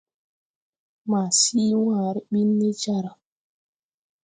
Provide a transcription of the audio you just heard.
Ma sii wããre ɓin ne jar,